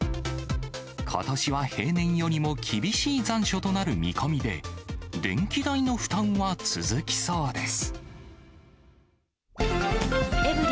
ことしは平年よりも厳しい残暑となる見込みで、電気代の負担は続きそうです。